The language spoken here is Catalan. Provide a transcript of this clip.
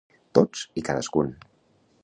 Tots i cadascun.